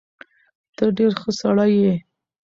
ته ډېر ښه سړی یې.